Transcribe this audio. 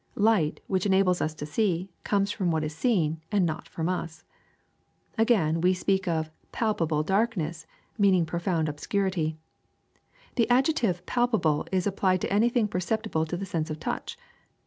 Light, which enables us to see, comes from what is seen and not from us. Again, we speak of 'palpable darkness,' meaning profound obscurity. The adjective palpable is ap plied to anything perceptible to the sense of touch.